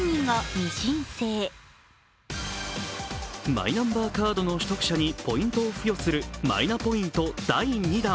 マイナンバーカードの取得者にポイントを付与するマイナポイント第２弾。